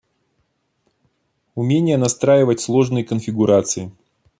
Умение настраивать сложные конфигурации